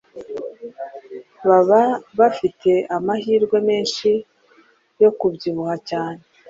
baba bafite amahirwe menshi yo kubyibuha cyane